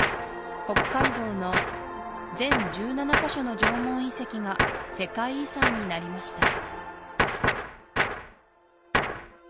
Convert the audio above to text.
北海道の全１７カ所の縄文遺跡が世界遺産になりました